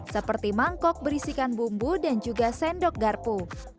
seperti mangkok berisikan bumbu dan juga sendok garpu